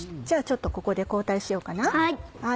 ちょっとここで交代しようかな。